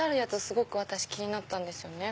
すごく私気になったんですよね。